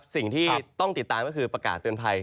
สิ่งที่ต้องติดตามก็คือประกาศเตือนภัย